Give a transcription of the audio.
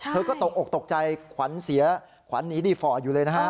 เธอก็ตกอกตกใจขวัญเสียขวัญหนีดีฟอร์ตอยู่เลยนะฮะ